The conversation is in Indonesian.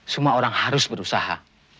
semua orang harus berusaha